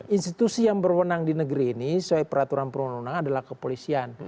institusi yang berwenang di negeri ini sesuai peraturan perundang undang adalah kepolisian